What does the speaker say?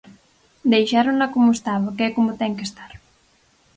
Deixárona como estaba que é como ten que estar.